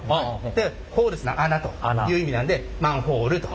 でホールが穴という意味なんでマンホールと。